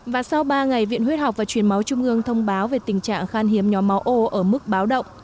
và sau ba ngày viện huyết học và truyền máu trung ương thông báo về tình trạng khan hiếm nhóm máu ô ở mức báo động